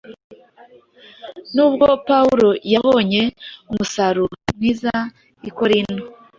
Nubwo Pawulo yabonye umusaruro mwiza i Korinto,